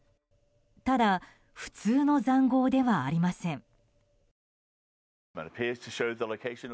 ただ、普通の塹壕ではありません。